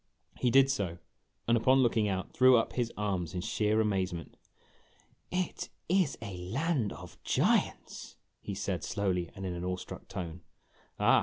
He did so, and, upon looking out, threw up his arms in sheer amazement. "It is a land of giants !" he said, slowly and in an awe struck tone. "Ah!"